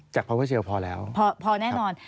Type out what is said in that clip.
จากพร้อมเกอร์เจลพอแล้วพอแน่นอน